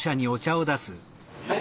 はい。